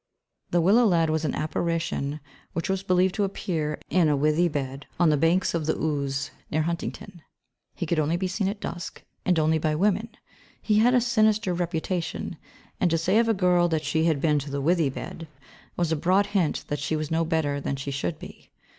The Willow lad was an apparition which was believed to appear in a withy bed on the banks of the Ouse near Huntingdon. He could only be seen at dusk, and only by women. He had a sinister reputation, and to say of a girl that she had been to the withy bed was a broad hint that she was no better than she should be.